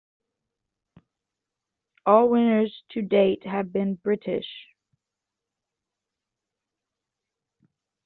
All winners to date have been British.